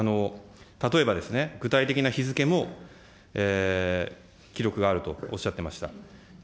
例えばですね、具体的な日付も記録があるとおっしゃっていました。